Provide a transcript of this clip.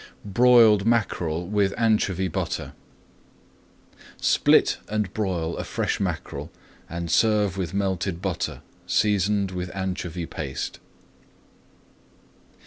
BROILED MACKEREL WITH ANCHOVY BUTTER Split and broil a fresh mackerel and serve with melted butter, seasoned with anchovy paste.